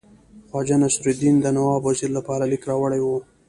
خواجه نصیرالدین د نواب وزیر لپاره لیک راوړی وو.